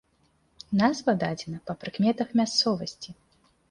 Назва дадзена па прыкметах мясцовасці.